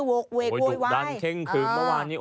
โหยดุดันเคร่งขึ้นเมื่อวานนี้